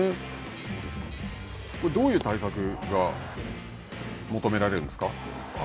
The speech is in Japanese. どういう対策が求められるんですか。